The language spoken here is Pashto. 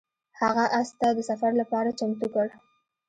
هغه اس ته د سفر لپاره چمتو کړ.